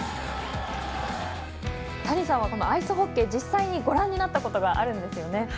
谷さんはアイスホッケー実際にご覧になったことがあるんですよね。